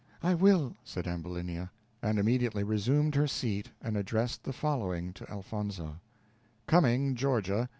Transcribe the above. "I will," said Ambulinia, and immediately resumed her seat and addressed the following to Elfonzo: Cumming, Ga.